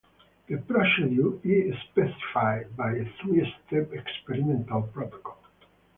The procedure is specified by a three-step experimental protocol.